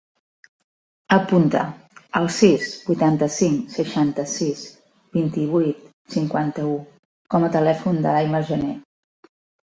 Apunta el sis, vuitanta-cinc, seixanta-sis, vint-i-vuit, cinquanta-u com a telèfon de l'Aimar Janer.